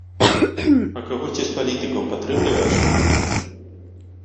А кагосьці з палітыкаў падтрымліваеш?